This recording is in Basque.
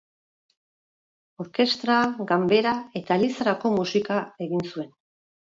Orkestra, ganbera eta elizarako musika egin zuen.